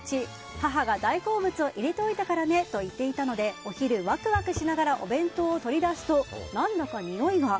母が大好物を入れておいたからねと言っていたのでお昼、ワクワクしながらお弁当を取り出すと何だか、においが。